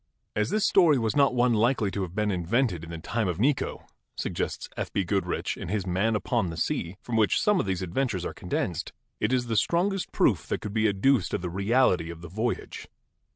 "As this story was not one likely to have been invented in the time of Necho," suggests F. B. Goodrich in his 'Man Upon the Sea/ from which some of these adventures are con densed, "it is the strongest proof that could be adduced of the reality of the voyage.